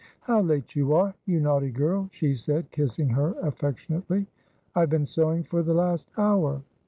"How late you are, you naughty girl," she said, kissing her affectionately. "I have been sewing for the last hour."